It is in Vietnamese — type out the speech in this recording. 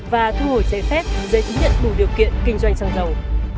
và thu hồi giấy phép giấy chứng nhận đủ điều kiện kinh doanh xăng dầu